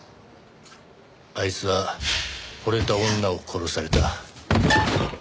あいつは惚れた女を殺された。